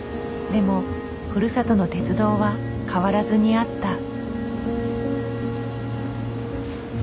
でもふるさとの鉄道は変わらずにあった。